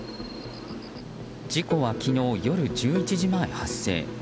事故は昨日夜１１時前、発生。